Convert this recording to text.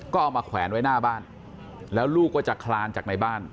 ก็เอามาแขวนไว้หน้าบ้านแล้วลูกก็จะคลานจากในบ้าน